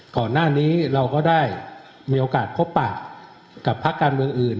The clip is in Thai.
ก่อนหน้านี้เราก็ได้มีโอกาสพบปะกับพักการเมืองอื่น